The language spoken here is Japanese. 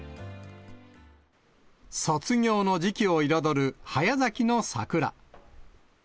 卒業の時期を彩る早咲きの桜。